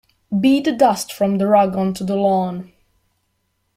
Beat the dust from the rug onto the lawn.